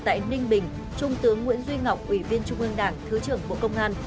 tại ninh bình trung tướng nguyễn duy ngọc ủy viên trung ương đảng thứ trưởng bộ công an